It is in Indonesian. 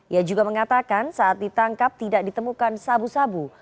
ia juga mengatakan saat ditangkap tidak ditemukan sabu sabu